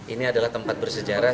ini adalah tempat bersejarah